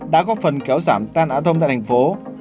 đã góp phần kéo giảm tai nạn thông tại tp hcm